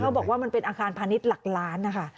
บอกว่ามันเป็นอาคารพาณิชย์หลักล้านนะคะ